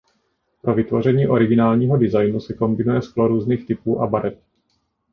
Pro vytvoření originálního designu se kombinuje sklo různých typů a barev.